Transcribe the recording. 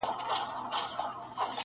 د پښتنو درنې جرګې به تر وړۍ سپکي سي-